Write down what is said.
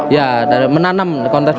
ya menanam konteksnya